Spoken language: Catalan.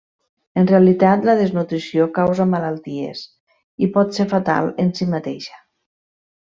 En realitat la desnutrició causa malalties, i pot ser fatal en si mateixa.